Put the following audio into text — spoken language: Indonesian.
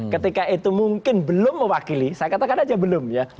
ketika itu mungkin belum mewakili saya katakan aja belum ya